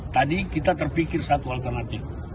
tadi kita terpikir satu alternatif